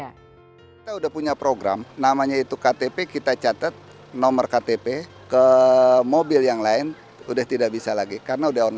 kita sudah punya program namanya itu ktp kita catat nomor ktp ke mobil yang lain udah tidak bisa lagi karena udah online